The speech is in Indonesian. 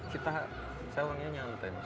saya orangnya nyantai